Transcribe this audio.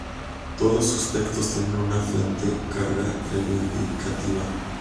Todos sus textos tienen una fuerte carga reivindicativa.